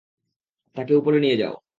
তাকে উপরে নিয়ে যাও।